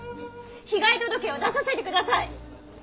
被害届を出させてください！